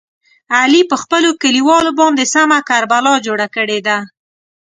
علي په خپلو کلیوالو باندې سمه کربلا جوړه کړې ده.